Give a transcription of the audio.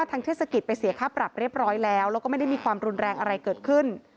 เทศกิจไปเสียค่าปรับเรียบร้อยแล้วแล้วก็ไม่ได้มีความรุนแรงอะไรเกิดขึ้น